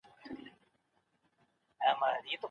غيرمسلمانان هم په امن کي دي.